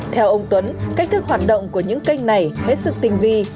theo ông tuấn cách thức hoạt động của những kênh này hết sức tình vi